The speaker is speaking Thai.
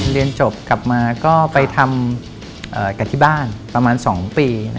เรียนจบกลับมาก็ไปทำกับที่บ้านประมาณ๒ปี